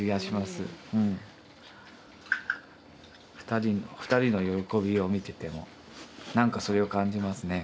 ２人の２人の喜びを見ててもなんかそれを感じますね。